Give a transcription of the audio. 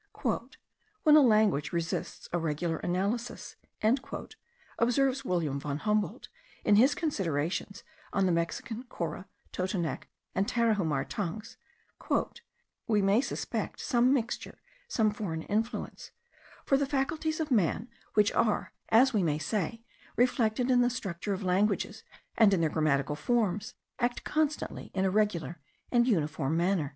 "When a language resists a regular analysis," observes William von Humboldt, in his considerations on the Mexican, Cora, Totonac, and Tarahumar tongues, "we may suspect some mixture, some foreign influence; for the faculties of man, which are, as we may say, reflected in the structure of languages, and in their grammatical forms, act constantly in a regular and uniform manner."